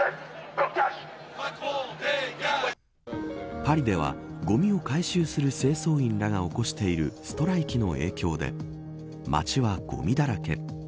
パリではごみを回収する清掃員らが起こしているストライキの影響で街はごみだらけ。